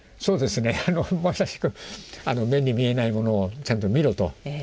まさしく目に見えないものをちゃんと見ろと。